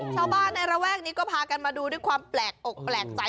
ชาวบ้านในระแวกนี้ก็พากันมาดูด้วยความแปลกอกแปลกใจ